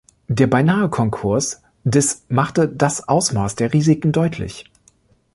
Der Beinahe-Konkurs des machte das Ausmaß der Risiken deutlich.